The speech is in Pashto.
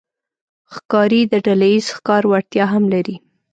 ښکاري د ډلهییز ښکار وړتیا هم لري.